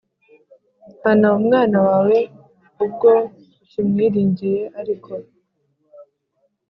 Hana umwana wawe ubwo ukimwiringiye ariko